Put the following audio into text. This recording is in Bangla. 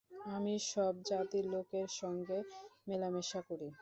আমি সব জাতির লোকের সঙ্গে মেলামেশা করি।